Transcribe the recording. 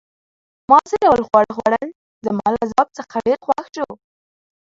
ما څه ډول خواړه خوړل؟ زما له ځواب څخه ډېر خوښ شو.